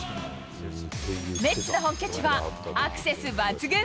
メッツの本拠地は、アクセス抜群。